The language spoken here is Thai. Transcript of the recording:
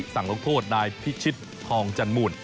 สั่งลงโทษได้พิชิตทองจันทร์มูล